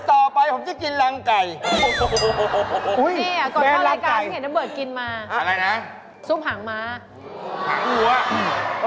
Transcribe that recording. โอ้โฮ